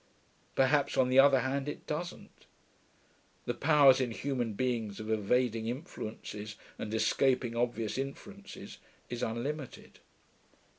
Perhaps, on the other hand, it doesn't. The powers in human beings of evading influences and escaping obvious inferences is unlimited.